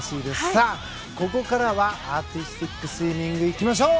さあ、ここからはアーティスティックスイミングいきましょう！